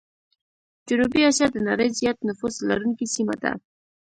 جنوبي آسيا د نړۍ زيات نفوس لرونکي سيمه ده.